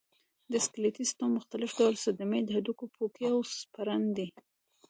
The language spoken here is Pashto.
د سکلیټي سیستم مختلف ډول صدمې د هډوکو پوکی او سپرن دی.